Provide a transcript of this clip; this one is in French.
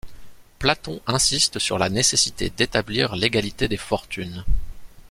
Platon insiste sur la nécessité d'établir l'égalité des fortunes.